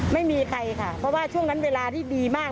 ไม่มีใครค่ะเพราะว่าช่วงนั้นเวลาที่ดีมาก